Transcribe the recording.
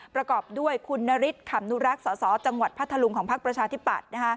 ประกอบด้วยคุณนฤทธิขำนุรักษ์สสจังหวัดพัทธลุงของพักประชาธิปัตย์